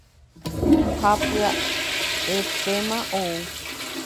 Ha pya'épema ou